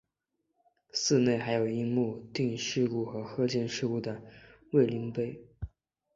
寺内还有樱木町事故和鹤见事故的慰灵碑。